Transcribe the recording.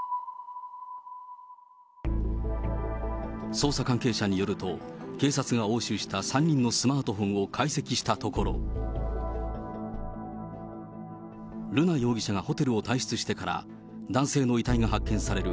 捜査関係者によると、警察が押収した３人のスマートフォンを解析したところ、瑠奈容疑者がホテルを退出してから、男性の遺体が発見される